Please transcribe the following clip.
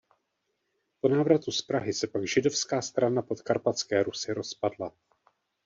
Po návratu z Prahy se pak Židovská strana Podkarpatské Rusi rozpadla.